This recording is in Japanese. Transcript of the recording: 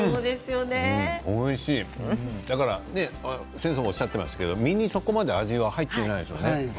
先生もおっしゃってましたけど身にそこまで味は入っていないんですね。